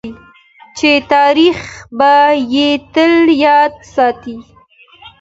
چې تاریخ به یې تل یاد ساتي.